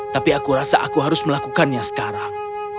tapi aku rasa aku harus melakukannya sekarang